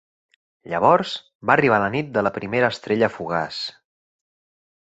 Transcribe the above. Llavors va arribar la nit de la primera estrella fugaç.